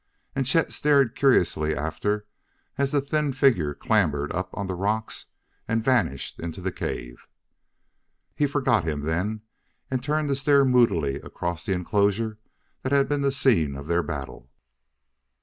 And Chet stared curiously after, as the thin figure clambered up on the rocks and vanished into the cave. He forgot him then and turned to stare moodily across the enclosure that had been the scene of their battle.